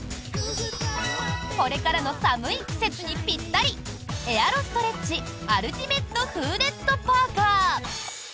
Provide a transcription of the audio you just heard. これからの寒い季節にぴったりエアロストレッチアルティメットフーデットパーカー。